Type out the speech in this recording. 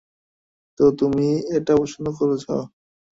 তো, তুমি এটা পছন্দ করেছো?